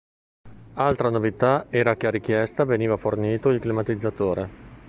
Altra novità era che a richiesta veniva fornito il climatizzatore.